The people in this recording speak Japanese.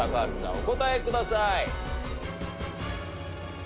お答えください。